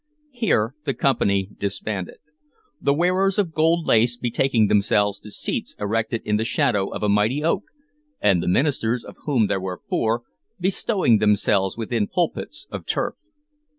Here the company disbanded; the wearers of gold lace betaking themselves to seats erected in the shadow of a mighty oak, and the ministers, of whom there were four, bestowing themselves within pulpits of turf.